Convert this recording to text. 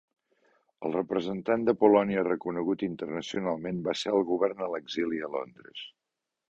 El representant de Polònia reconegut internacionalment va ser el govern a l'exili a Londres.